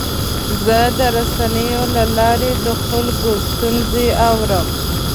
زه د رسنیو له لارې د خلکو ستونزې اورم.